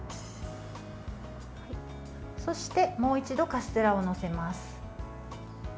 そして、もう一度カステラを載せます。